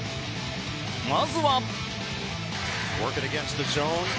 まずは。